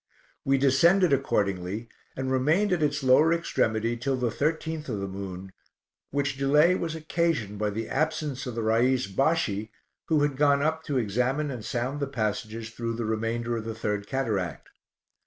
We descended accordingly, and remained at its lower extremity till the thirteenth of the moon, which delay was occasioned by the absence of the Rais Bashi, who had gone up to examine and sound the passages through the remainder of the Third Cataract.